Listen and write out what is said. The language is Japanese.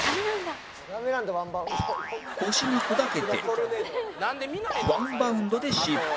腰が砕けてワンバウンドで失敗